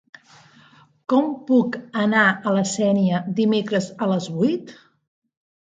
Com puc anar a la Sénia dimecres a les vuit?